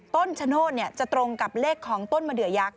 ต้นชะโนธจะตรงกับเลขของต้นมะเดือยักษ